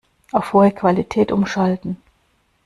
Auf hohe Qualität umschalten.